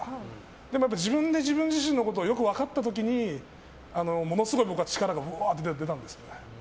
でも自分で自分自身のことをよく分かった時にものすごい僕は力が出たんですよね。